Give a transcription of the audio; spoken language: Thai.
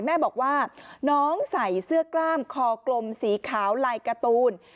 แม่บอกว่าน้องใส่เสื้อกล้ามคอกลมสีขาวลายการ์ตูน